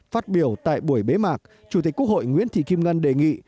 phát biểu tại buổi bế mạc chủ tịch quốc hội nguyễn thị kim ngân đề nghị